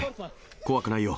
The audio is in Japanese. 怖くないよ。